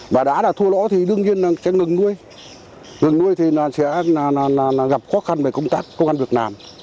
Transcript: và đã là thua lỗ thì đương nhiên là trang ngừng nuôi ngừng nuôi thì sẽ gặp khó khăn về công tác công an việt nam